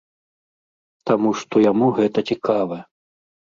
Таму што яму гэта цікава.